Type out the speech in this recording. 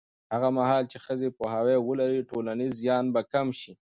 هغه مهال چې ښځې پوهاوی ولري، ټولنیز زیان به کم شي.